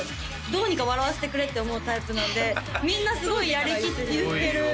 どうにか笑わせてくれって思うタイプなんでみんなすごいやりきってるすごいよ